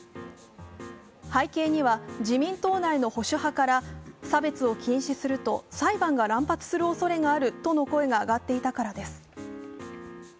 背景には自民党内の保守派から差別を禁止すると裁判が乱発するおそれがあるとの声が上がっていたからです。